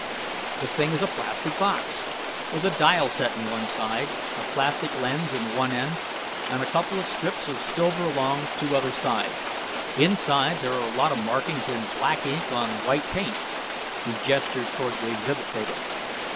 "The thing is a plastic box with a dial set in one side, a plastic lens in one end, and a couple of strips of silver along two other sides. Inside, there are a lot of markings in black ink on white paint." He gestured toward the exhibit table.